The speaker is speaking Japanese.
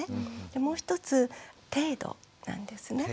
でもう一つ程度なんですね。